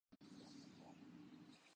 میں صبح جلدی اٹھتاہوں